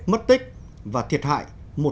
mất tích và thiệt hại